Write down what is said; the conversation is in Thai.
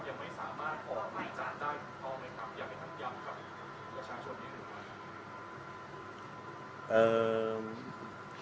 อยากให้ท่านยำกับประชาชนนิดนึง